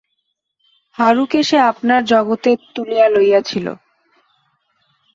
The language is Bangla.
হারুকে সে আপনার জগতে তুলিয়া লাইয়াছিল।